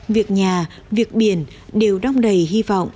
việc nhà việc biển đều đong đầy hy vọng